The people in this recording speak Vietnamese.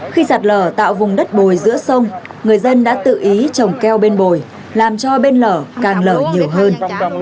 khi sạt lở tạo vùng đất bồi giữa sông người dân đã tự ý trồng keo bên bồi làm cho bên lở càng lở nhiều hơn